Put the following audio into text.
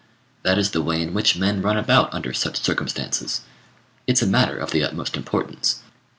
That is the way in which men run about under such circumstances. It's a matter of the utmost importance.